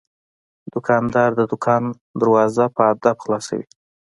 دوکاندار د دوکان دروازه په ادب خلاصوي.